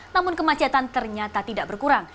namun kemacetan ternyata tidak berkurang